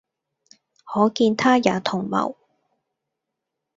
可見他也同謀，